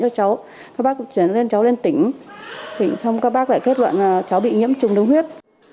cháu các bác chuyển cháu lên tỉnh tỉnh xong các bác lại kết luận cháu bị nhiễm trùng đông huyết